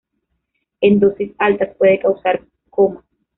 En dosis altas puede causar coma.